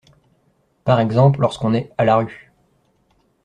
Par exemple lorsqu’on est “à la rue”.